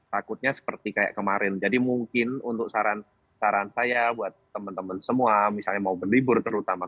takutnya seperti kayak kemarin jadi mungkin untuk saran saran saya buat teman teman semua misalnya mau berlibur terutama